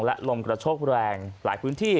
และลมกระโชกแรงหลายพื้นที่